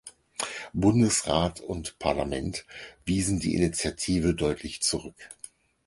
Bundesrat und Parlament wiesen die Initiative deutlich zurück.